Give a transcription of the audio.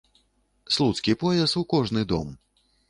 Слуцкі пояс у кожны дом!